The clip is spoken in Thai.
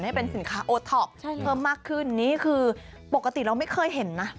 ให้เป็นสินค้าโอท็อปเพิ่มมากขึ้นนี่คือปกติเราไม่เคยเห็นนะ